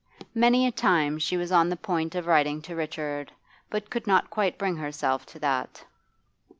Many a time she was on the point of writing to Richard, but could not quite bring herself to that.